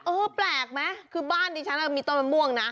แปลกไหมคือบ้านดิฉันมีต้นมะม่วงนะ